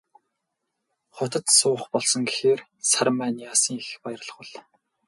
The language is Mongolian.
Хотод суух болсон гэхээр Саран маань яасан их баярлах бол.